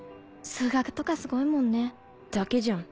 数学とかすごいもんね。だけじゃん。